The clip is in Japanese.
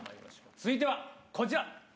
続いてはこちら。